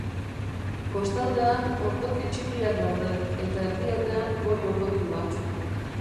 Kostaldean ordoki txikiak daude, eta erdialdean goi ordoki bat.